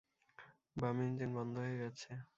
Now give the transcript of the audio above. বাম ইঞ্জিন বন্ধ হয়ে গেছে!